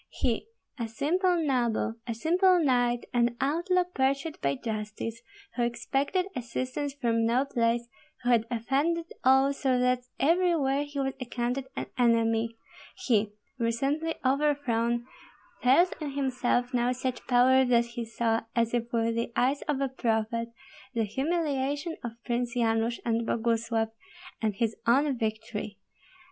He, a simple noble, a simple knight, an outlaw pursued by justice, who expected assistance from no place, who had offended all so that everywhere he was accounted an enemy, he, recently overthrown, felt in himself now such power that he saw, as if with the eyes of a prophet, the humiliation of Prince Yanush and Boguslav, and his own victory.